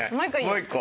もう１個。